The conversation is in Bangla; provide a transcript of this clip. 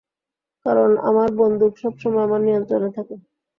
কারণ আমার বন্দুক সবসময় আমার নিয়ন্ত্রণে থাকে।